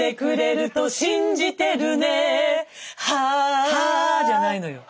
「は」じゃないのよ。